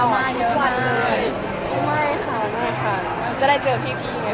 ไม่ค่ะไม่ค่ะเหมือนจะได้เจอพี่บริการ